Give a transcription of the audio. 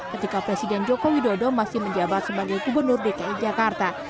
ketika presiden joko widodo masih menjabat sebagai gubernur dki jakarta